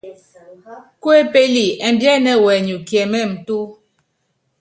Kuépéli ɛ́mbiɛ́nɛ́ wɛnyɔk kiɛmɛ́m túu.